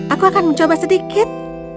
aku akan mencoba sedikit